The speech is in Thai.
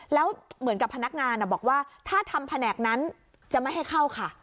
แล้วเหมือนกับพนักงานบอกว่าถ้าทำแผนกนั้นจะไม่ให้เข้าค่ะ